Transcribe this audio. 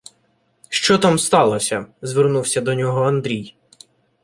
— Що там сталося? — звернувся до нього Андрій.